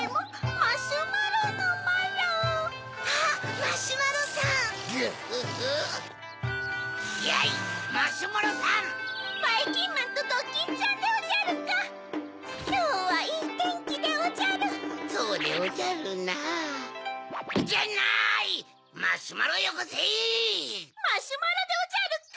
マシュマロでおじゃるか？